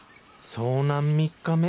遭難３日目。